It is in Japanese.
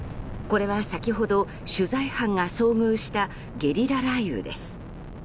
これは先ほど取材班が遭遇したゲリラ雷雨です。